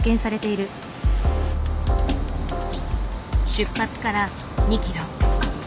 出発から２キロ。